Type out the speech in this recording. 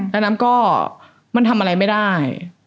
แล้วน้ำก็มันทำอะไรไม่ได้